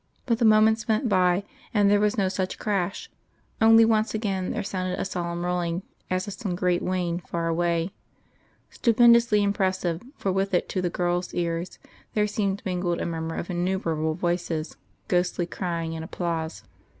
But the moments went by, and there was no such crash: only once again there sounded a solemn rolling, as of some great wain far away; stupendously impressive, for with it to the girl's ears there seemed mingled a murmur of innumerable voices, ghostly crying and applause.